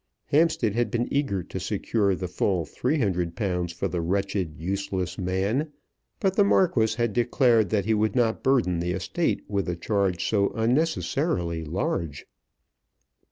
Hampstead had been eager to secure the full £300 for the wretched, useless man, but the Marquis had declared that he would not burden the estate with a charge so unnecessarily large.